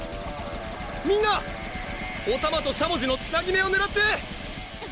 みんなおたまとしゃもじのつなぎ目をねらって！